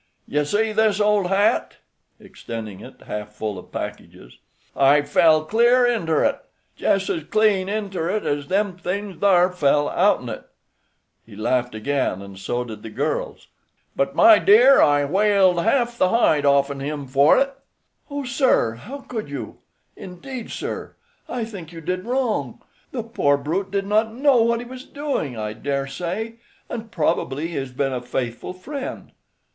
"You see this old hat?" extending it, half full of packages; "I fell clear inter it; jes' as clean inter it as them things thar fell out'n it." He laughed again, and so did the girls. "But, my dear, I whaled half the hide off'n him for it." "Oh, sir! how could you? Indeed, sir. I think you did wrong. The poor brute did not know what he was doing, I dare say, and probably he has been a faithful friend."